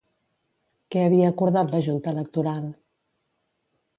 Què havia acordat la Junta Electoral?